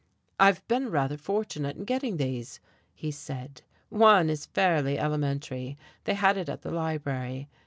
"I've been rather fortunate in getting these," he said. "One is fairly elementary. They had it at the library.